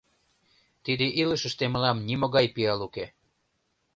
Тиде илышыште мылам нимогай пиал уке.